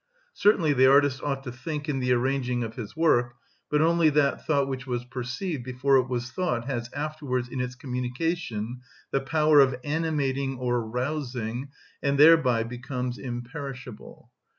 Certainly the artist ought to think in the arranging of his work; but only that thought which was perceived before it was thought has afterwards, in its communication, the power of animating or rousing, and thereby becomes imperishable.